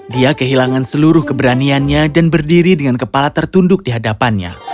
dia kehilangan seluruh keberaniannya dan berdiri dengan kepala tertunduk di hadapannya